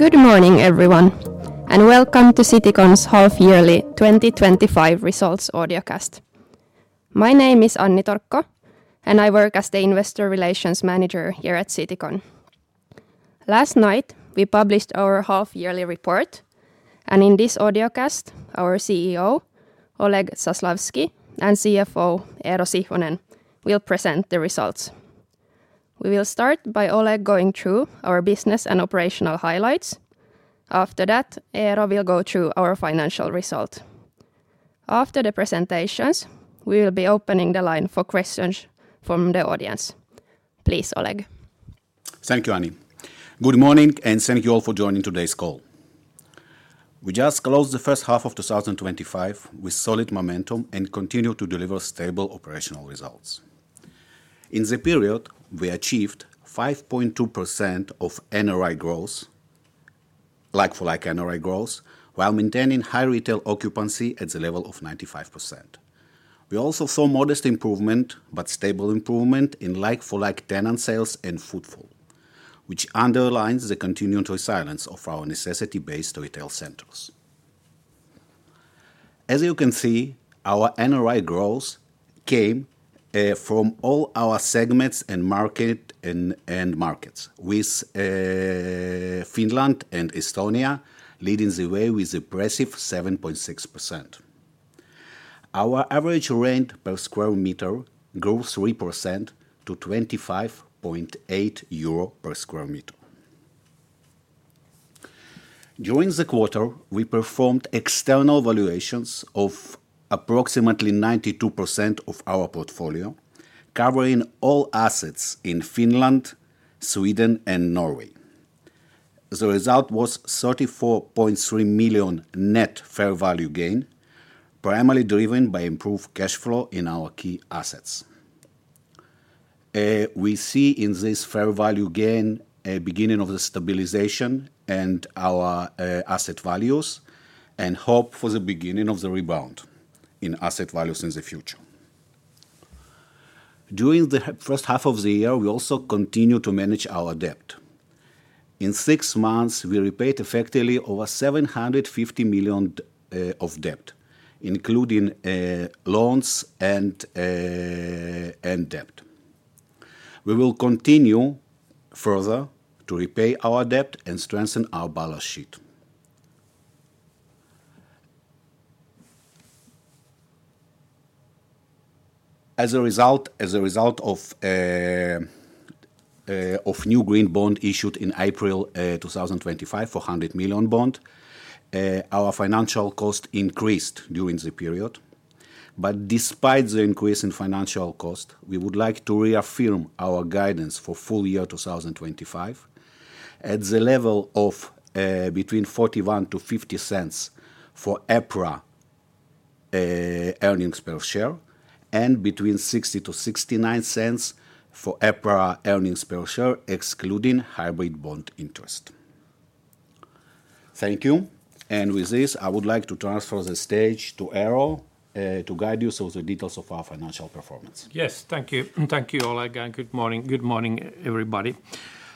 Good morning, everyone, and welcome to Citycon's half-yearly 2025 results audiocast. My name is Anni Torkko, and I work as the Investor Relations Manager here at Citycon. Last night, we published our half-yearly report, and in this audiocast, our CEO, Oleg Zaslavsky, and CFO, Eero Sihvonen, will present the results. We will start by Oleg going through our business and operational highlights. After that, Eero will go through our financial result. After the presentations, we will be opening the line for questions from the audience. Please, Oleg. Thank you, Anni. Good morning, and thank you all for joining today's call. We just closed the first half of 2025 with solid momentum and continue to deliver stable operational results. In the period, we achieved 5.2% NRI growth, like-for-like NRI growth, while maintaining high retail occupancy at the level of 95%. We also saw modest improvement, but stable improvement in like-for-like tenant sales and footfall, which underlines the continued resilience of our necessity-based retail centers. As you can see, our NRI growth came from all our segments and markets, with Finland and Estonia leading the way with an impressive 7.6%. Our average rent per square meter grew 3% to 25.8 euro per square meter. During the quarter, we performed external valuations of approximately 92% of our portfolio, covering all assets in Finland, Sweden, and Norway. The result was 34.3 million net fair value gain, primarily driven by improved cash flow in our key assets. We see in this fair value gain a beginning of the stabilization in our asset values and hope for the beginning of the rebound in asset values in the future. During the first half of the year, we also continued to manage our debt. In six months, we repaid effectively over 750 million of debt, including loans and debt. We will continue further to repay our debt and strengthen our balance sheet. As a result of new green bonds issued in April 2025, 400 million bonds, our financial cost increased during the period. Despite the increase in financial cost, we would like to reaffirm our guidance for full year 2025 at the level of between 0.41-0.50 for EPRA earnings per share and between 0.60-0.69 for EPRA earnings per share, excluding hybrid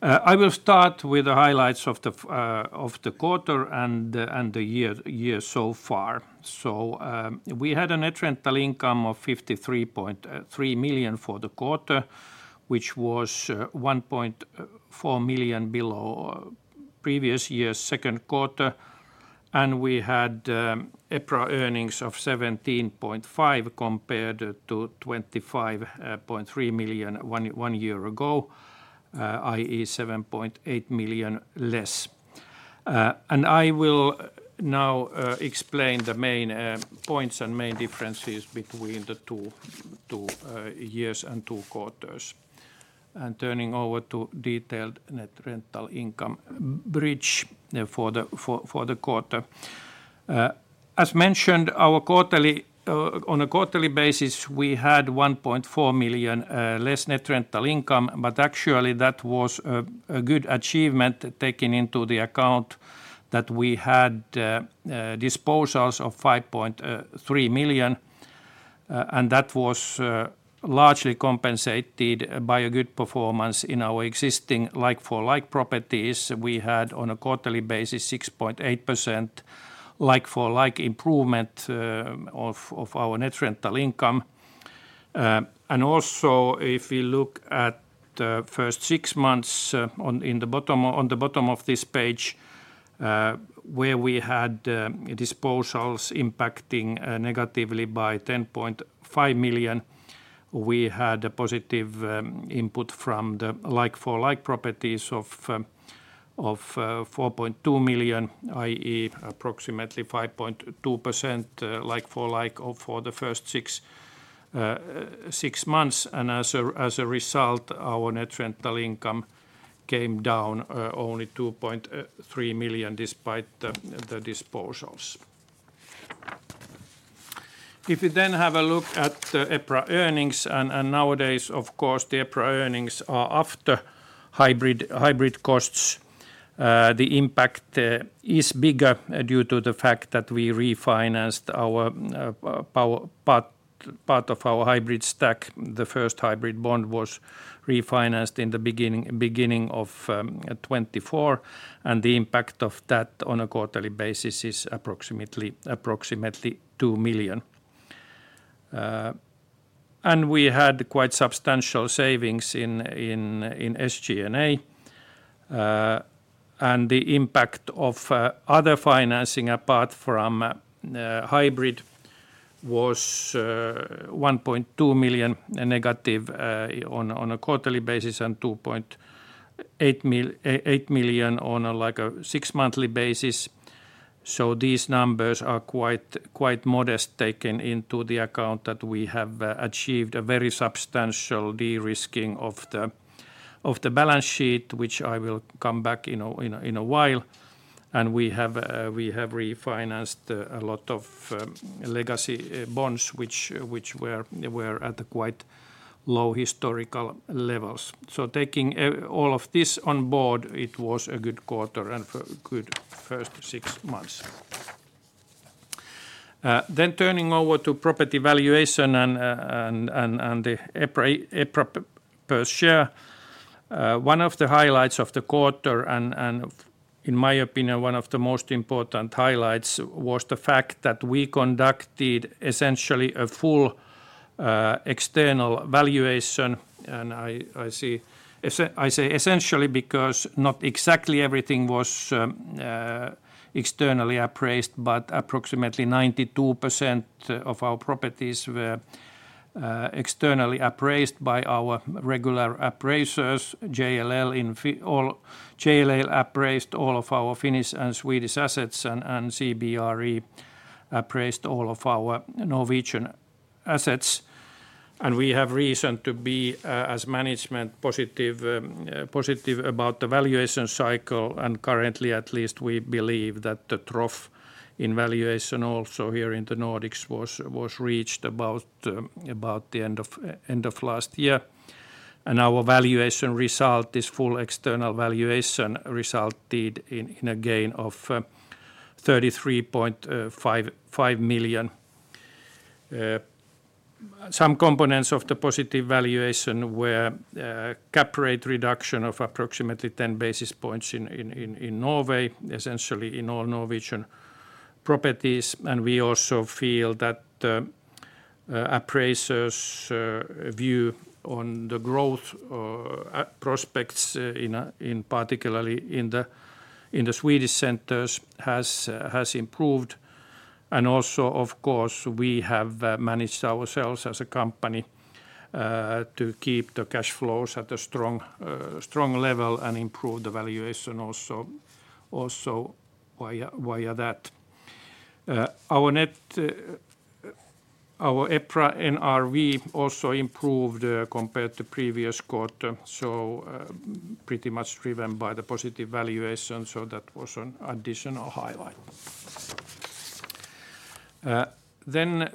bond interest. Thank you. With this, I would like to transfer the stage to Eero to guide you through the details of our financial performance. Yes, thank you. Thank you, Oleg, and good morning, good morning everybody. I will start with the highlights of the quarter and the year so far. We had an entry rental income of EUR 53.3 million for the quarter, which was EUR 1.4 million below previous year's second quarter. We had EPRA earnings of EUR 17.5 million compared to EUR 25.3 million one year ago, i.e., EUR 7.8 million less. I will now explain the main points and main differences between the two years and two quarters. Turning over to detailed net rental income bridge for the quarter. As mentioned, on a quarterly basis, we had 1.4 million less net rental income, but actually that was a good achievement taking into account that we had disposals of 5.3 million. That was largely compensated by a good performance in our existing like-for-like properties. We had on a quarterly basis 6.8% like-for-like improvement of our net rental income. Also, if you look at the first six months on the bottom of this page, where we had disposals impacting negatively by 10.5 million, we had a positive input from the like-for-like properties of 4.2 million, i.e., approximately 5.2% like-for-like for the first six months. As a result, our net rental income came down only 2.3 million despite the disposals. If you then have a look at the EPRA earnings, and nowadays, of course, the EPRA earnings are after hybrid costs. The impact is bigger due to the fact that we refinanced part of our hybrid stack. The first hybrid bond was refinanced in the beginning of 2024, and the impact of that on a quarterly basis is approximately EUR 2 million. We had quite substantial savings in SG&A. The impact of other financing apart from hybrid was 1.2 million negative on a quarterly basis and 2.8 million on a six-monthly basis. These numbers are quite modest taken into account that we have achieved a very substantial de-risking of the balance sheet, which I will come back to in a while. We have refinanced a lot of legacy bonds, which were at quite low historical levels. Taking all of this on board, it was a good quarter and a good first six months. Turning over to property valuation and the EPRA per share, one of the highlights of the quarter, and in my opinion, one of the most important highlights was the fact that we conducted essentially a full external valuation. I say essentially because not exactly everything was externally appraised, but approximately 92% of our properties were externally appraised by our regular appraisers. JLL appraised all of our Finnish and Swedish assets, and CBRE appraised all of our Norwegian assets. We have reason to be, as management, positive about the valuation cycle. Currently, at least we believe that the trough in valuation also here in the Nordics was reached about the end of last year. Our valuation result, this full external valuation, resulted in a gain of 33.5 million. Some components of the positive valuation were cap rate reduction of approximately 10 basis points in Norway, essentially in all Norwegian properties. We also feel that the appraiser's view on the growth prospects, particularly in the Swedish centers, has improved. Of course, we have managed ourselves as a company to keep the cash flows at a strong level and improve the valuation also. Our EPRA NRV also improved compared to the previous quarter, pretty much driven by the positive valuation. That was an additional highlight.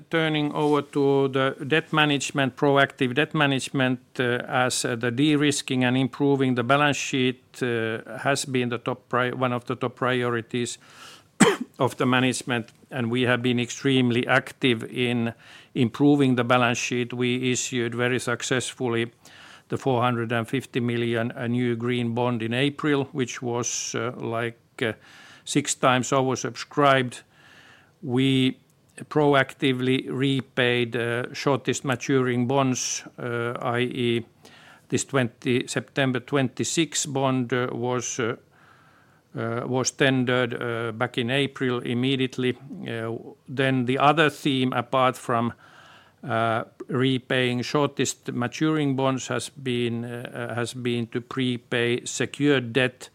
Turning over to the debt management, proactive debt management, as the de-risking and improving the balance sheet has been one of the top priorities of the management. We have been extremely active in improving the balance sheet. We issued very successfully the 450 million new green bond in April, which was like six times oversubscribed. We proactively repaid the shortest maturing bonds, i.e., this September 2026 bond was tendered back in April immediately. The other theme apart from repaying shortest maturing bonds has been to prepay secured debt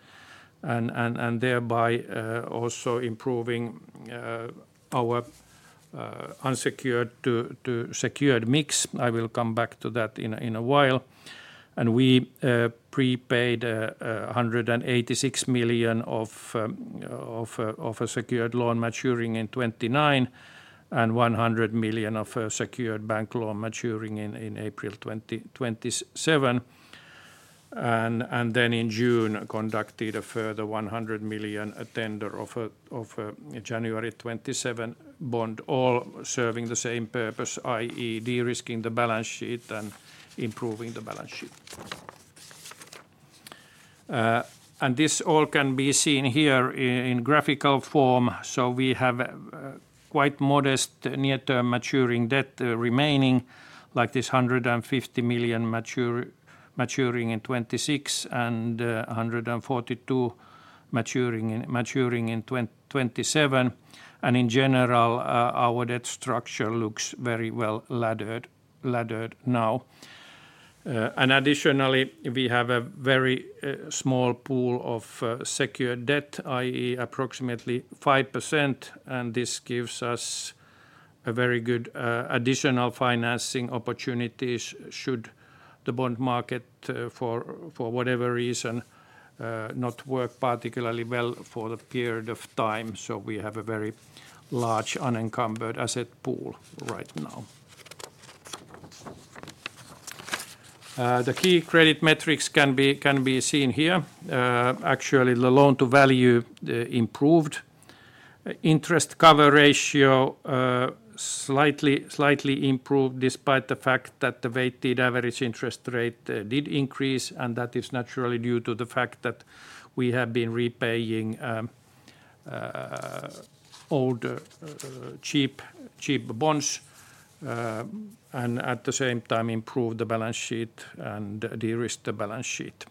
and thereby also improving our unsecured-to-secured mix. I will come back to that in a while. We prepaid 186 million of a secured loan maturing in 2029 and 100 million of a secured bank loan maturing in April 2027. In June, we conducted a further 100 million tender of a January 2027 bond, all serving the same purpose, i.e., de-risking the balance sheet and improving the balance sheet. This all can be seen here in graphical form. We have quite modest near-term maturing debt remaining, like this 150 million maturing in 2026 and 142 million maturing in 2027. In general, our debt structure looks very well laddered now. Additionally, we have a very small pool of secured debt, i.e., approximately 5%. This gives us a very good additional financing opportunity should the bond market, for whatever reason, not work particularly well for a period of time. We have a very large unencumbered asset pool right now. The key credit metrics can be seen here. Actually, the loan-to-value improved. Interest cover ratio slightly improved despite the fact that the weighted average interest rate did increase. That is naturally due to the fact that we have been repaying old cheap bonds. At the same time, improved the balance sheet and de-risked the balance sheet.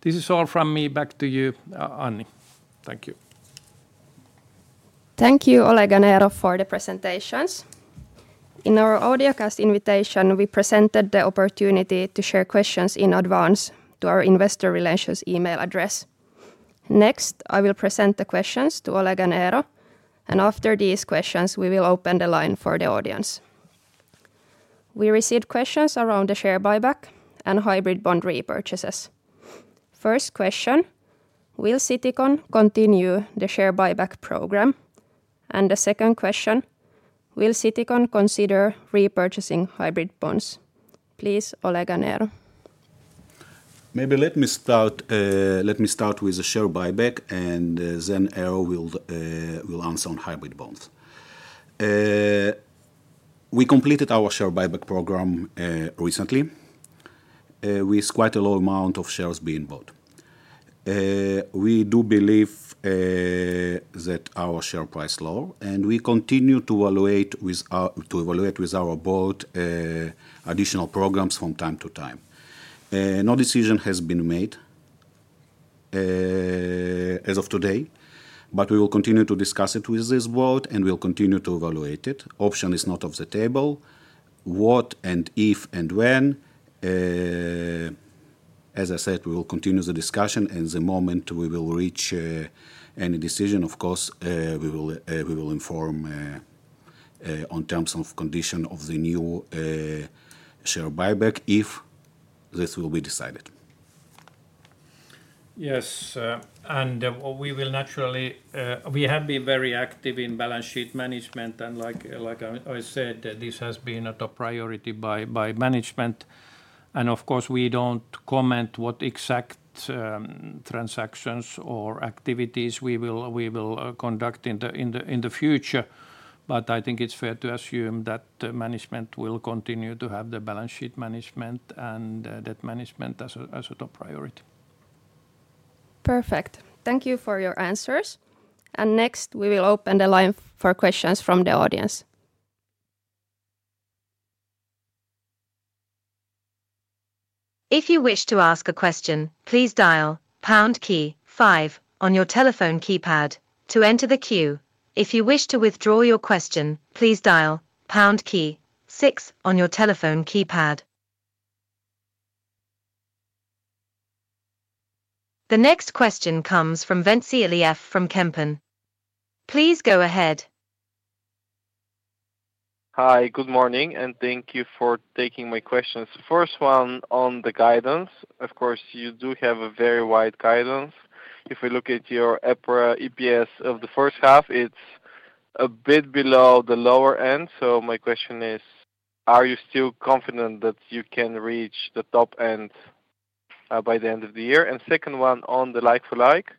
This is all from me. Back to you, Anni. Thank you. Thank you, Oleg and Eero, for the presentations. In our audiocast invitation, we presented the opportunity to share questions in advance to our investor relations email address. Next, I will present the questions to Oleg and Eero. After these questions, we will open the line for the audience. We received questions around the share buyback and hybrid bond repurchases. First question: Will Citycon continue the share buyback program? The second question: Will Citycon consider repurchasing hybrid bonds? Please, Oleg and Eero. Maybe let me start with the share buyback, and then Eero will answer on hybrid bonds. We completed our share buyback program recently with quite a low amount of shares being bought. We do believe that our share price is low, and we continue to evaluate with our board additional programs from time to time. No decision has been made as of today, but we will continue to discuss it with this board, and we'll continue to evaluate it. Option is not off the table. What and if and when, as I said, we will continue the discussion. The moment we will reach any decision, of course, we will inform on terms and conditions of the new share buyback if this will be decided. Yes, we will naturally, we have been very active in balance sheet management. Like I said, this has been a top priority by management. Of course, we don't comment on what exact transactions or activities we will conduct in the future. I think it's fair to assume that management will continue to have the balance sheet management and debt management as a top priority. Perfect. Thank you for your answers. Next, we will open the line for questions from the audience. If you wish to ask a question, please dial pound key five on your telephone keypad to enter the queue. If you wish to withdraw your question, please dial pound key six on your telephone keypad. The next question comes from Ventsi Iliev from Kempen. Please go ahead. Hi, good morning, and thank you for taking my questions. First one on the guidance. Of course, you do have a very wide guidance. If we look at your EPRA EPS of the first half, it's a bit below the lower end. My question is, are you still confident that you can reach the top end by the end of the year? Second one on the like-for-like,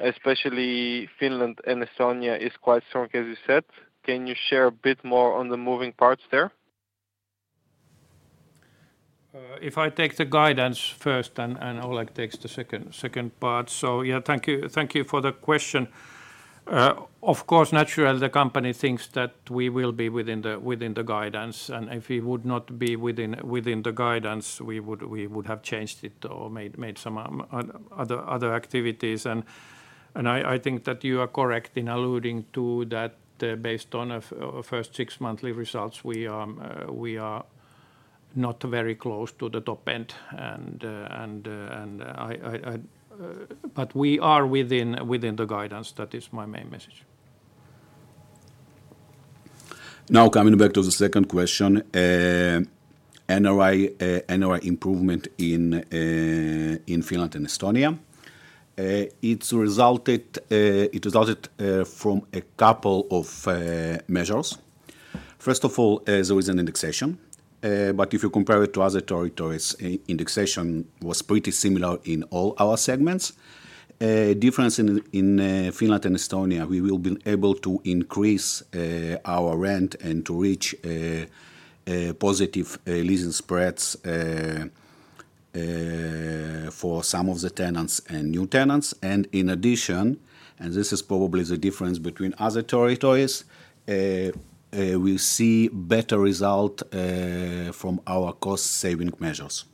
especially Finland and Estonia are quite strong, as you said. Can you share a bit more on the moving parts there? If I take the guidance first and Oleg takes the second part. Thank you for the question. Of course, naturally, the company thinks that we will be within the guidance. If we would not be within the guidance, we would have changed it or made some other activities. I think that you are correct in alluding to that based on the first six monthly results. We are not very close to the top end, but we are within the guidance. That is my main message. Now coming back to the second question, NRI improvement in Finland and Estonia. It resulted from a couple of measures. First of all, there is an indexation. If you compare it to other territories, indexation was pretty similar in all our segments. The difference in Finland and Estonia, we will be able to increase our rent and to reach positive leasing spreads for some of the tenants and new tenants. In addition, this is probably the difference between other territories, we see better results from our cost-saving measures.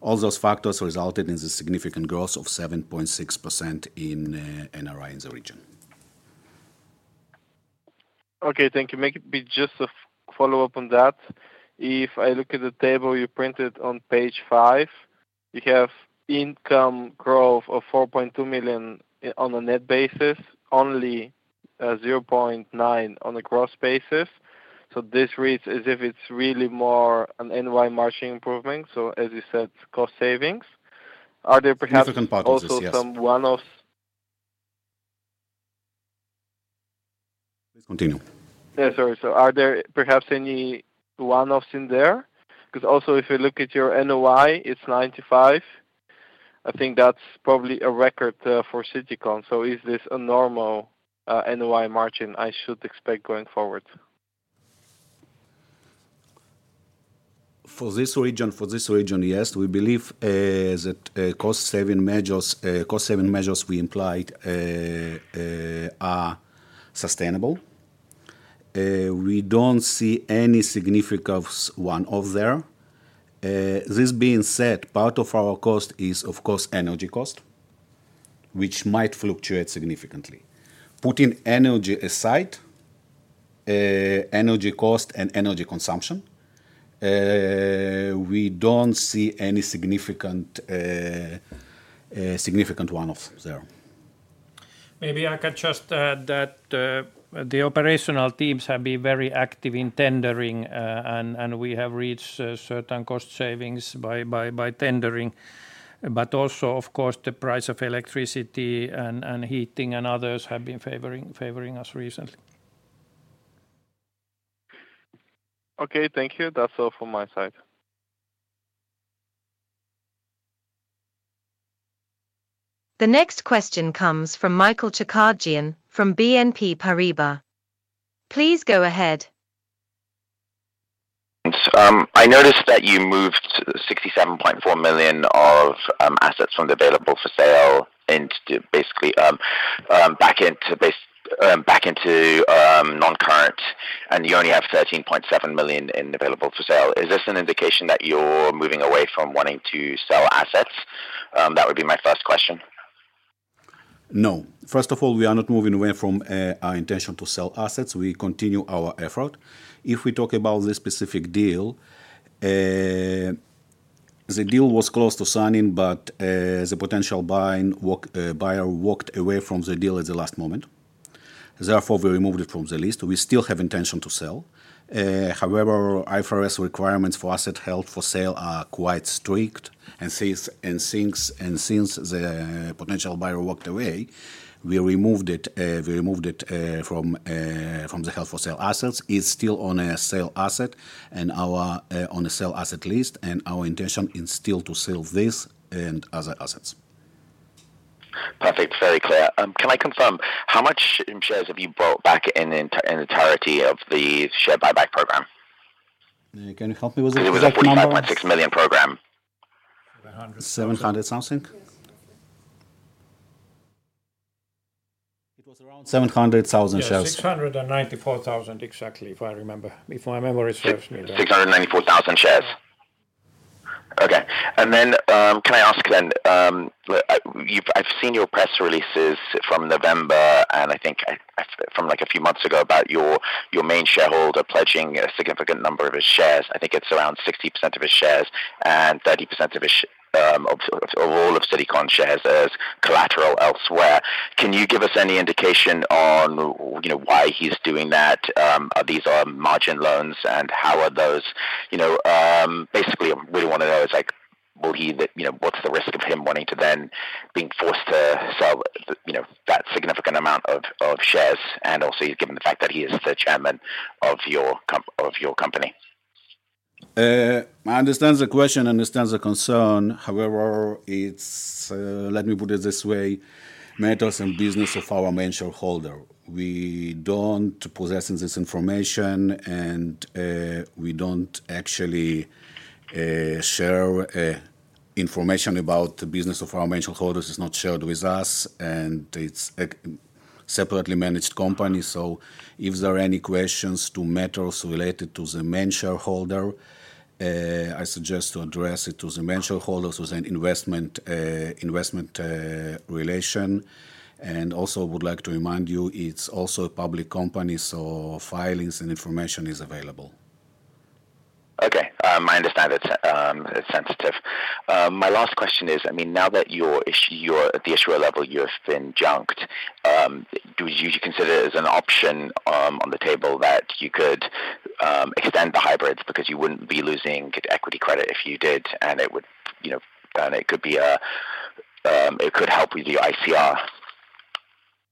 All those factors resulted in the significant growth of 7.6% in NRI in the region. Okay, thank you. Maybe just a follow-up on that. If I look at the table you printed on page five, you have income growth of 4.2 million on a net basis, only 0.9 million on a gross basis. This reads as if it's really more an NRI margin improvement, as you said, cost savings. Are there perhaps also some one-offs? Continue. Sorry, are there perhaps any one-offs in there? Because also, if we look at your NOI, it's 95. I think that's probably a record for Citycon. Is this a normal NOI margin I should expect going forward? For this region, yes. We believe that cost-saving measures we implied are sustainable. We don't see any significant one-off there. This being said, part of our cost is, of course, energy cost, which might fluctuate significantly. Putting energy aside, energy cost and energy consumption, we don't see any significant one-offs there. Maybe I could just add that the operational teams have been very active in tendering, and we have reached certain cost savings by tendering. Also, of course, the price of electricity and heating and others have been favoring us recently. Okay, thank you. That's all from my side. The next question comes from Michael Zacharia from BNP Paribas. Please go ahead. Thanks. I noticed that you moved 67.4 million of assets from the available for sale into basically picking to non-current, and you only have 13.7 million in available for sale. Is this an indication that you're moving away from wanting to sell assets? That would be my first question. No. First of all, we are not moving away from our intention to sell assets. We continue our effort. If we talk about the specific deal, the deal was close to signing, but the potential buyer walked away from the deal at the last moment. Therefore, we removed it from the list. We still have intention to sell. However, IFRS requirements for asset held for sale are quite strict. Since the potential buyer walked away, we removed it from the held for sale assets. It's still on a sale asset list, and our intention is still to sell this and other assets. Perfect. Very clear. Can I confirm, how much in shares have you bought back in the entirety of the share buyback program? Can you help me with that number? Through that program. 700 something. It was around 700,000 shares. 694,000 exactly, if I remember. If my memory serves me. 694,000 shares. Okay. Can I ask, I've seen your press releases from November, and I think from a few months ago about your main shareholder pledging a significant number of his shares. I think it's around 60% of his shares and 30% of all of Citycon shares as collateral elsewhere. Can you give us any indication on why he's doing that? Are these margin loans and how are those, basically, we want to know, will he, what's the risk of him wanting to then be forced to sell that significant amount of shares? Also, given the fact that he is the Chairman of your company. I understand the question, I understand the concern. However, it's, let me put it this way, matters and business of our main shareholder. We don't possess this information, and we don't actually share information about the business of our main shareholders. It's not shared with us, and it's a separately managed company. If there are any questions to matters related to the main shareholder, I suggest to address it to the main shareholders with an investment relation. I would like to remind you, it's also a public company, so filings and information are available. Okay. I understand it's sensitive. My last question is, I mean, now that you're at the issuer level, you've been junked, do you usually consider it as an option on the table that you could extend the hybrids because you wouldn't be losing the equity credit if you did, and it could help with your ICR.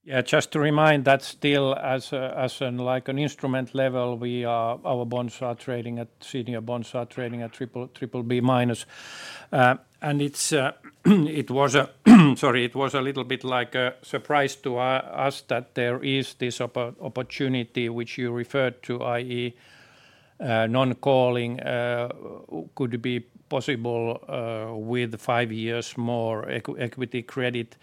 Yeah, just to remind that still at an instrument level, our bonds are trading at Citycon bonds are trading at triple B minus. It was a little bit like a surprise to us that there is this opportunity which you referred to, i.e., non-calling could be possible with five years more equity credit.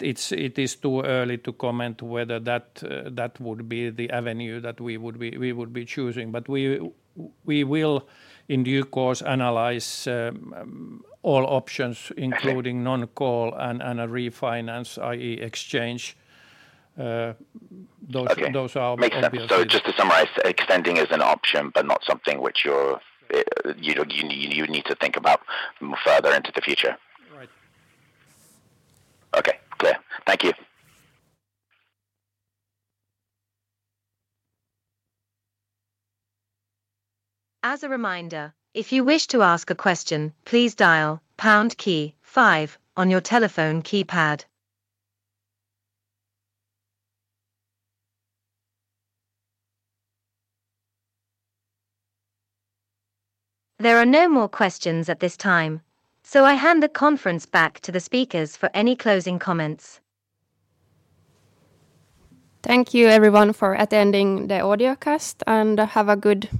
It is too early to comment whether that would be the avenue that we would be choosing. We will, in due course, analyze all options, including non-call and a refinance, i.e., exchange. Extending is an option, but not something which you need to think about further into the future. Right. Okay. Clear. Thank you. As a reminder, if you wish to ask a question, please dial pound key five on your telephone keypad. There are no more questions at this time. I hand the conference back to the speakers for any closing comments. Thank you, everyone, for attending the audiocast, and have a good day.